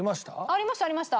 ありましたありました。